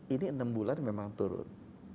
ini enam bulan memang turun